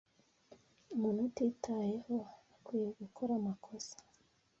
Umuntu utitayeho akwiriye gukora amakosa.